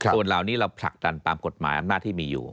ส่วนเหล่านี้เราผลักดันตามกฎหมายอำนาจที่มีอยู่